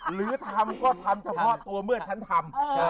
หรือทำก็ทำเฉพาะตัวเมื่อฉันทำ